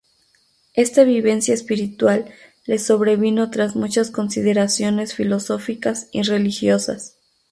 Esta vivencia espiritual le sobrevino tras muchas consideraciones filosóficas y religiosas.